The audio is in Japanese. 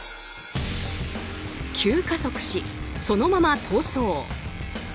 急加速し、そのまま逃走。